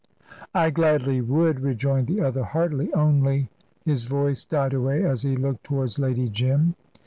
"I gladly would," rejoined the other, heartily; "only " His voice died away, as he looked towards Lady Jim.